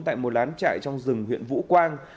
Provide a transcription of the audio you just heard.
tại một lán trại trong rừng huyện vũ quang